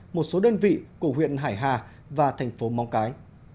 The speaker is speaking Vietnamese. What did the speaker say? một số đơn vị của huyện hải hà và thành phố móng cái